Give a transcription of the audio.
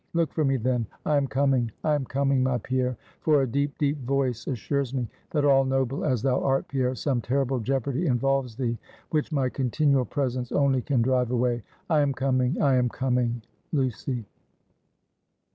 Look for me then. I am coming! I am coming, my Pierre; for a deep, deep voice assures me, that all noble as thou art, Pierre, some terrible jeopardy involves thee, which my continual presence only can drive away. I am coming! I am coming!" LUCY.